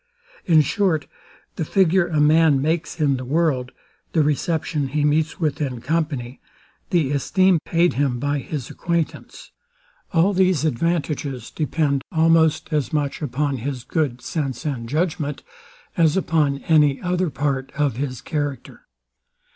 In short, the figure a man makes in the world, the reception he meets with in company, the esteem paid him by his acquaintance; all these advantages depend almost as much upon his good sense and judgment, as upon any other part of his character.